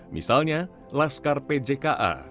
misalnya laskar pjka